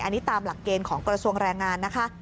อันนี้ตามหลักเกณฑ์ของกระทรวงแรงงานนะคะ